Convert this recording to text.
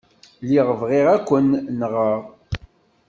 Lliɣ bɣiɣ ad ken-nɣeɣ.